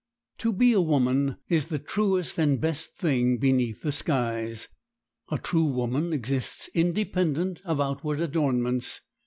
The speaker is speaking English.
To be a woman is the truest and best thing beneath the skies. A true woman exists independent of outward adornments.